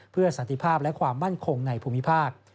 เพื่อสันติภาพและความมั่นคงในภูมิภาค